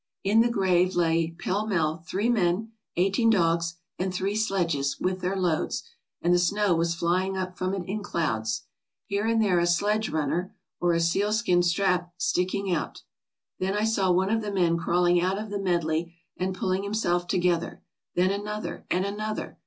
"In the grave lay pell mell three men, eighteen dogs, and three sledges with their loads, and the snow was flying up from it in clouds. Here and there a sledge runner, or a seal skin strap, was sticking out. Then I saw one of the men crawl ing out of the medley and pulling himself together, then another, and another.